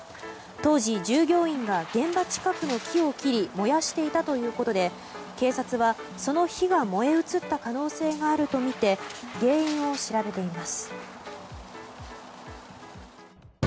当時、従業員が現場近くの木を切り燃やしていたということで警察はその火が燃え移った可能性があるとみて原因を調べています。